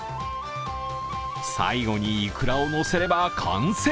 最後にいくらを乗せれば完成。